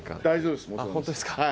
大丈夫ですか？